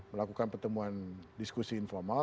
melakukan pertemuan diskusi informal